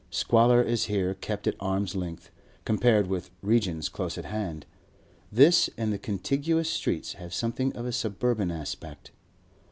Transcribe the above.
Squalor is here kept at arm's length; compared with regions close at hand, this and the contiguous streets have something of a suburban aspect.